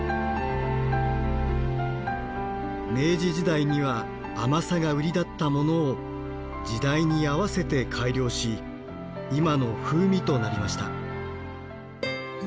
明治時代には甘さが売りだったものを時代に合わせて改良し今の風味となりました。